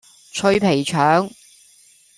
脆皮腸